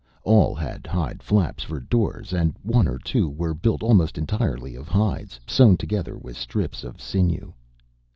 All had hide flaps for doors, and one or two were built almost entirely of hides, sewed together with strips of sinew.